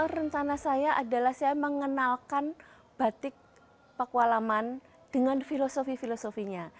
rencana saya adalah saya mengenalkan batik pakualaman dengan filosofi filosofinya